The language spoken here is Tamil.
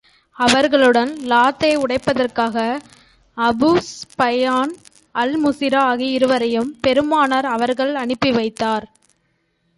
அவர்களுடன் லாத்தை உடைப்பதற்காக அபூ ஸுப்யான், அல் முசீரா ஆகிய இருவரையும் பெருமானார் அவர்கள் அனுப்பி வைத்தார்கள்.